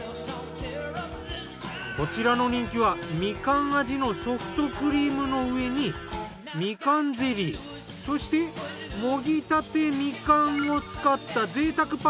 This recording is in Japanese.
こちらの人気はみかん味のソフトクリームの上にみかんゼリーそしてもぎたてみかんを使った贅沢パフェ。